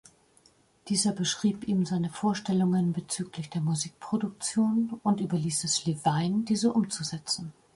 Dieser beschrieb ihm seine Vorstellungen bezüglich der Musikproduktion, und überließ es Levine, diese umzusetzen.